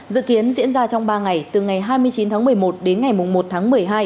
dự kiến diễn ra trong ba ngày từ ngày hai mươi chín tháng một mươi một đến ngày một tháng một mươi hai